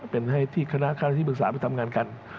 เป็นข้าระที่ผู้บริกษาไปทำงานกัน